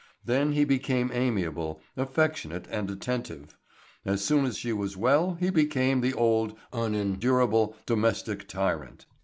Then he became amiable, affectionate and attentive. As soon as she was well he became the old, unendurable, domestic tyrant.